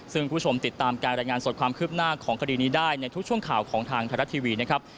ซึ่งคุณผู้ชมติดตามการรายงานสดความคืบหน้าของคดีนี้ได้ในทุกช่วงข่าวของทางไทยรัฐทีวีนะครับ